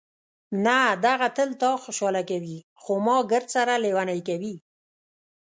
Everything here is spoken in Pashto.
نه، دغه تل تا خوشحاله کوي، خو ما ګردسره لېونۍ کوي.